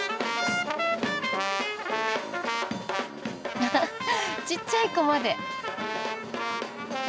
アハッちっちゃい子まで。